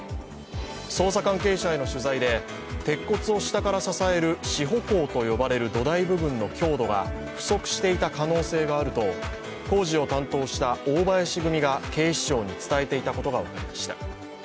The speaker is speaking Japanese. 捜査関係者への取材で鉄骨をしたから支える支保工と呼ばれる土台部分の強度が不足していた可能性があると工事を担当した大林組が警視庁に伝えていたことが分かりました。